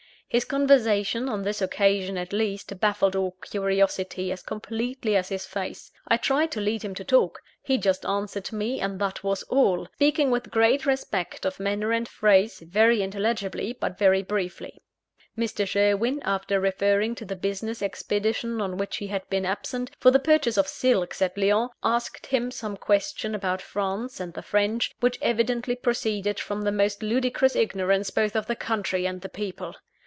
His conversation, on this occasion at least, baffled all curiosity as completely as his face. I tried to lead him to talk. He just answered me, and that was all; speaking with great respect of manner and phrase, very intelligibly, but very briefly. Mr. Sherwin after referring to the business expedition on which he had been absent, for the purchase of silks at Lyons asked him some questions about France and the French, which evidently proceeded from the most ludicrous ignorance both of the country and the people.